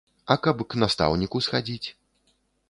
А каб к настаўніку схадзіць?